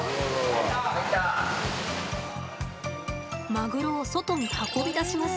マグロを外に運び出します。